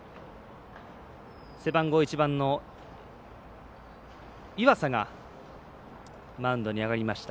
背番号１番の、岩佐がマウンドに上がりました。